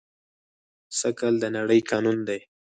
ثقل د نړۍ قانون دی.